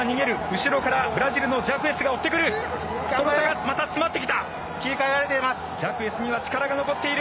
後ろからブラジルのジャクエスが追ってくる。